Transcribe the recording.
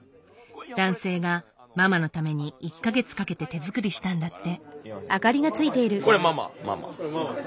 男性がママのために１か月かけて手作りしたんだって。